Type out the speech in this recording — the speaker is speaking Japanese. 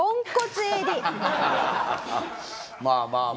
まあまあまあまあ。